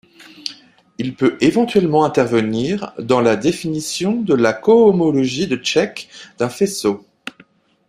Il peut éventuellement intervenir dans la définition de la cohomologie de Čech d'un faisceau.